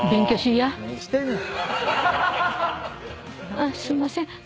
あっすいません。